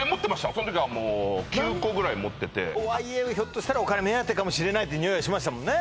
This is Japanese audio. その時はもう９個ぐらい持っててとはいえひょっとしたらお金目当てかもしれないってにおいはしましたもんね